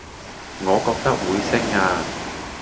我覺得會升呀